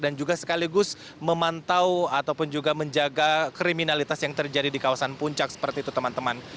dan juga sekaligus memantau ataupun juga menjaga kriminalitas yang terjadi di kawasan puncak seperti itu teman teman